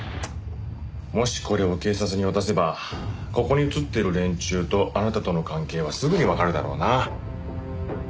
もしこれを警察に渡せばここに映っている連中とあなたとの関係はすぐにわかるだろうな。